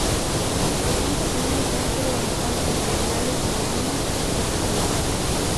Se cuenta con un rastro de matanza de animales bovinos y porcinos.